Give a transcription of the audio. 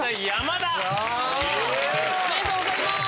おめでとうございます！